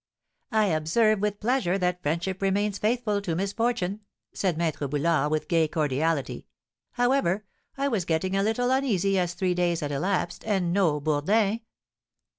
"I observe with pleasure that friendship remains faithful to misfortune!" said Maître Boulard, with gay cordiality. "However, I was getting a little uneasy, as three days had elapsed, and no Bourdin."